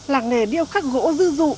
làng nghề điêu khắc gỗ dư dụ